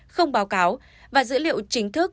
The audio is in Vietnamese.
không báo cáo và dữ liệu chính thức